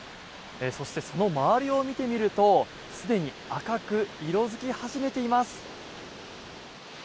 そして、その周りを見てみるとすでに赤く色付き始めています。